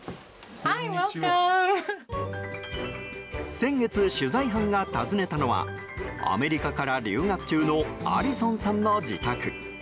先月、取材班が訪ねたのはアメリカから留学中のアリソンさんの自宅。